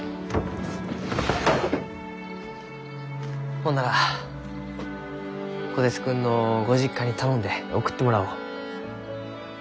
ほんなら虎鉄君のご実家に頼んで送ってもらおう。